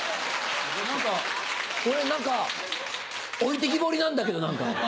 何か俺何か置いてきぼりなんだけど何か。